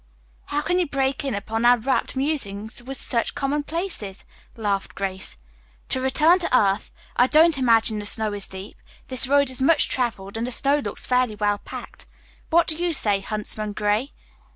"How can you break in upon our rapt musings with such commonplaces?" laughed Grace. "To return to earth; I don't imagine the snow is deep. This road is much traveled, and the snow looks fairly well packed. What do you say, Huntsman Gray?"